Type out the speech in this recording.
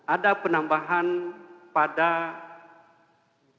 ada penambahan pada ruas jalan yang dikhususkan